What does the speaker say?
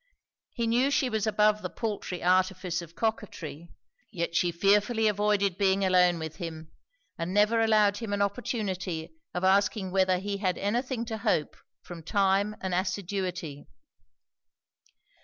He knew she was above the paltry artifice of coquetry; yet she fearfully avoided being alone with him, and never allowed him an opportunity of asking whether he had any thing to hope from time and assiduity.